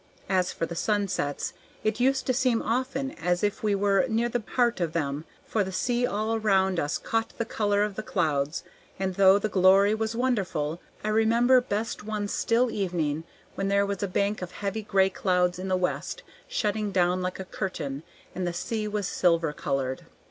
As for the sunsets, it used to seem often as if we were near the heart of them, for the sea all around us caught the color of the clouds, and though the glory was wonderful, I remember best one still evening when there was a bank of heavy gray clouds in the west shutting down like a curtain, and the sea was silver colored.